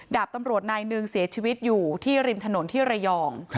ดาบตำรวจนายหนึ่งเสียชีวิตอยู่ที่ริมถนนที่ระยอง